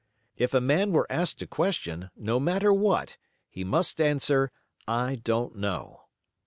If a man were asked a question, no matter what, he must answer, "I don't know."